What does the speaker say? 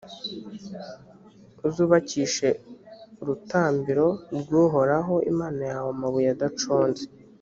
uzubakishe urutambiro rw’uhoraho imana yawe amabuye adaconze;